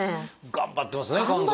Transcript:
頑張ってますね肝臓。